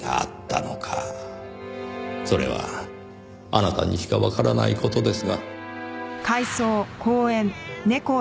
それはあなたにしかわからない事ですが。